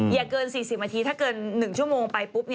อย่าเกิน๔๐นาทีถ้าเกิน๑ชั่วโมงไปปุ๊บ